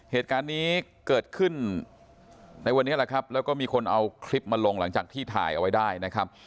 เหตุการณ์นี้เกิดขึ้นในวันนี้แหละครับแล้วก็มีคนเอาคลิปมาลงหลังจากที่ถ่ายเอาไว้ได้นะครับ